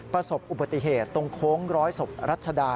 ประสบอุบัติเหตุตรงโค้งร้อยศพรัชดา